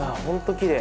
きれい。